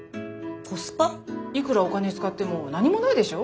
いくらお金使っても何もないでしょ？